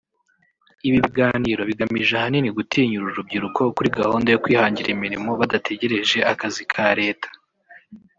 Ibi biganiro bigamije ahanini gutinyura urubyiruko kuri gahunda yo kwihangira imirimo badategereje akazi ka Leta